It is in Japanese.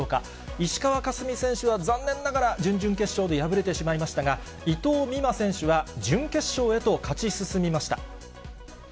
石川佳純選手は残念ながら準々決勝で敗れてしまいましたが、伊藤美誠選手は準決勝へと勝ち進みました。